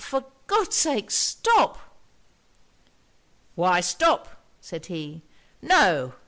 for God's sake stop!' 'Why stop?' said he. 'No!